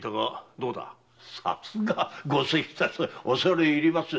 さすがご推察恐れいります。